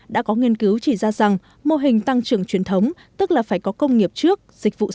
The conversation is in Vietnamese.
đã có nghiên cứu chỉ ra rằng mô hình tăng trưởng truyền thống tức là phải có công nghiệp trước dịch vụ số